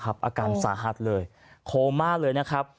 อาการสาธารณ์เลยโค้งมากเลยนะครับ